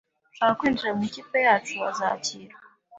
Ushaka kwinjira mu ikipe yacu azakirwa